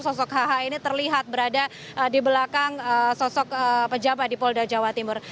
sosok hh ini terlihat berada di belakang sosok pejabat di polda jawa timur